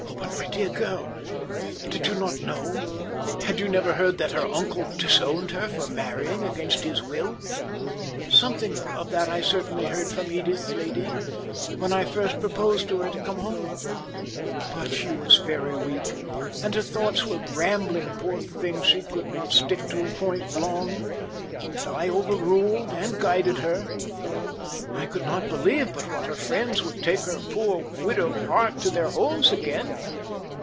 "But, my dear girl, did you not know, had you never heard that her uncle disowned her for marrying against his will?" "Something of that I certainly heard from Edith, lady, when I first proposed to her to come home. But she was very weak, and her thoughts very rambling, poor thing she could not stick to a point long, and I overruled and guided her I could not believe but that her friends would take her poor widowed heart to their homes again.